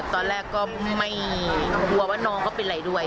ตอนแรกก็ไม่กลัวว่าน้องเขาเป็นอะไรด้วย